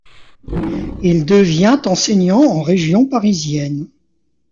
Il devient enseignant en région parisienne.